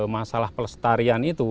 masalah pelestarian itu